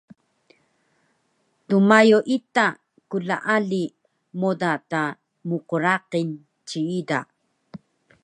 dmayo ita klaali moda ta mqraqil ciida